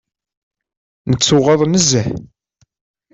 Nettuɣaḍ nezzeh.